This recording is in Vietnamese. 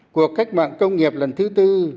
cuộc cách mạng công nghiệp lần thứ tư